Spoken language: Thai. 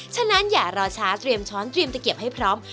ฉะนั้นอย่ารอช้าเตรียมช้อนเตรียมตะเกียบให้พร้อม